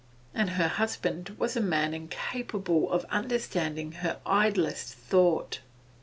And her husband was a man incapable of understanding her idlest thought.